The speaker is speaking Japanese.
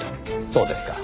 そうですか。